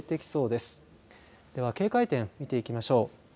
では警戒点見ていきましょう。